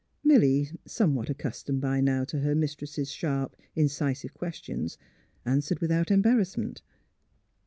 Milly, somewhat accustomed by now to her mis tress' sharp, incisive questions, answered without embarrassment.